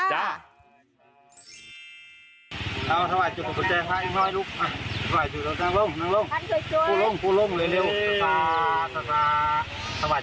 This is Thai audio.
เอ้าถอดดูจุบบุตรแจงขั้นทาง